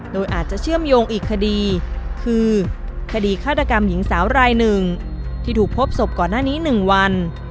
โดยอาจจะเชื่อมโยงอีกคดีคือคดีฆาตกรรมหญิงสาวรายหนึ่งที่ถูกพบศพก่อนหน้านี้๑วัน